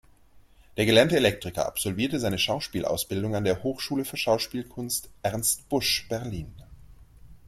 Der gelernte Elektriker absolvierte seine Schauspielausbildung an der Hochschule für Schauspielkunst „Ernst Busch“ Berlin.